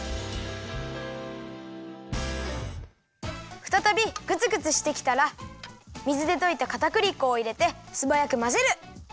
ふたたびグツグツしてきたら水でといたかたくり粉をいれてすばやくまぜる。